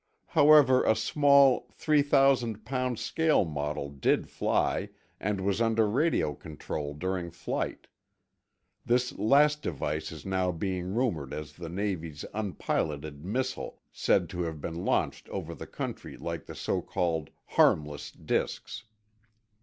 However, a small, three thousand pound scale model did fly and was under radio control during flight. This last device is now being rumored as the Navy's unpiloted "missile," said to have been launched over the country like the so called "harmless" disks.